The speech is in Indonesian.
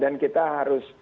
dan kita harus beri pelatihan